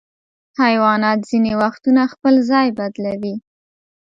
حیوانات ځینې وختونه خپل ځای بدلوي.